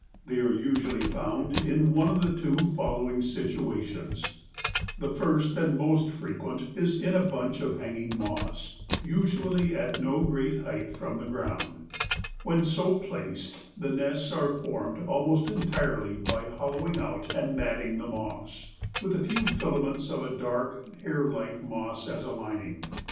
They are usually found in one of the two following situations: The first and most frequent is in a bunch of hanging moss, usually at no great height from the ground; when so placed the nests are formed almost entirely by hollowing out and matting the moss, with a few filaments of a dark, hairlike moss as a lining.